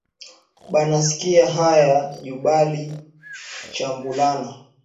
Bana sikia haya ju bali chambulana